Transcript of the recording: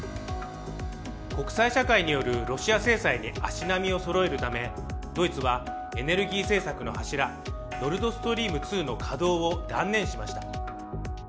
国際社会によるロシア制裁に足並みをそろえるためドイツはエネルギー政策の柱ノルドストリーム２の稼動を断念しました。